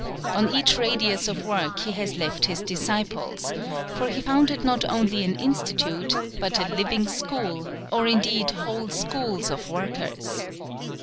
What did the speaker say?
On each radius of work he has left his disciples; for he founded not only an Institute, but a living school, or indeed whole schools of workers.